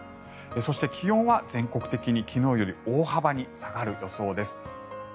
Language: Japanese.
そして気温は全国的に昨日より大幅に下がる予想です。